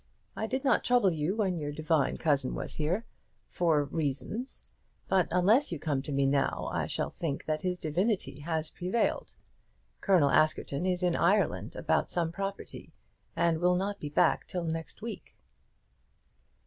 I did not trouble you when your divine cousin was here, for reasons; but unless you come to me now I shall think that his divinity has prevailed. Colonel Askerton is in Ireland, about some property, and will not be back till next week."